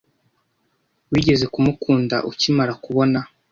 Wigeze kumukunda ukimara kubona?